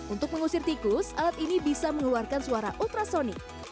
untuk mengusir tikus alat ini bisa mengeluarkan suara ultrasonic